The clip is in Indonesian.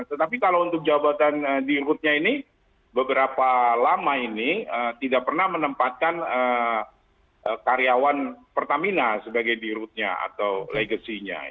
tetapi kalau untuk jabatan di rootnya ini beberapa lama ini tidak pernah menempatkan karyawan pertamina sebagai di rootnya atau legacy nya